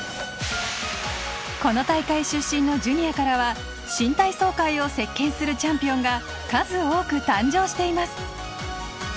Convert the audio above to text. この大会出身のジュニアからは新体操界を席巻するチャンピオンが数多く誕生しています。